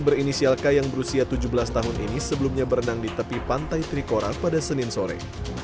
berinisial k yang berusia tujuh belas tahun ini sebelumnya berenang di tepi pantai trikora pada senin sore